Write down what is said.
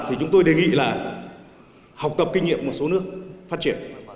thì chúng tôi đề nghị là học tập kinh nghiệm một số nước phát triển